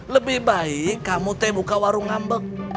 lebih baik kamu teh buka warung ngambek